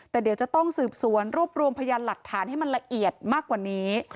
แต่เดี๋ยวจะต้องสืบสวนรวบรวมพยานหลักฐานให้มันละเอียดมากกว่านี้